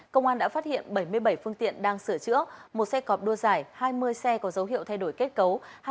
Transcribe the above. công an đã phát hiện bảy mươi bảy phương tiện đang sửa chữa một xe cọp đua dài hai mươi xe có dấu hiệu thay đổi kết cấu